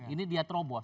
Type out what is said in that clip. ini dia terobos